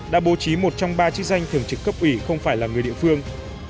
đã bố trí một trong ba chức danh thường trực cấp ủy không phải là người địa phương